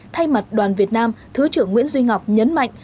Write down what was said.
thay mặt đoàn việt nam thứ trưởng nguyễn duy ngọc nhấn mạnh